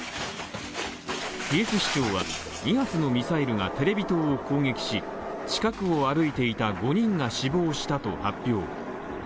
キエフ市長は２発のミサイルがテレビ塔を攻撃し近くを歩いていた５人が死亡したと発表。